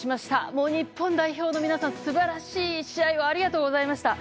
もう日本代表の皆さん素晴らしい試合をありがとうございました。